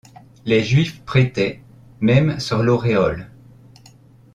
Les juifs prêtaient, même sur l’auréole.